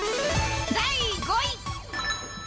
第５位。